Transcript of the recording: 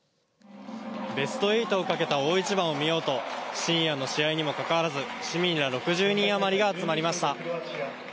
ベスト８をかけた大一番を見ようと深夜の試合にもかかわらず市民ら６０人余りが集まりました。